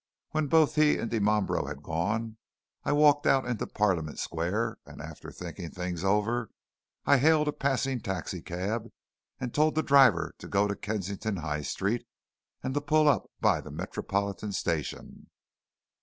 When both he and Dimambro had gone, I walked out into Parliament Square, and after thinking things over, I hailed a passing taxi cab, and told the driver to go to Kensington High Street, and to pull up by the Metropolitan Station."